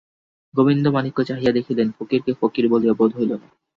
গোবিন্দমাণিক্য চাহিয়া দেখিলেন, ফকিরকে ফকির বলিয়া বোধ হইল না।